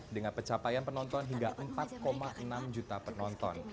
dengan pencapaian penonton hingga empat enam juta penonton